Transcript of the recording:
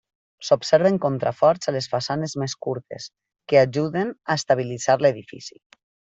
S'observen contraforts a les façanes més curtes, que ajuden a estabilitzar l'edifici.